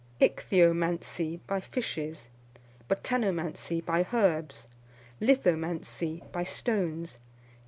Ichthyomancy, by fishes. Botanomancy, by herbs. Lithomancy, by stones.